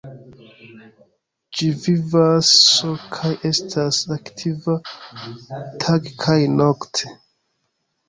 Ĝi vivas sole kaj estas aktiva tage kaj nokte.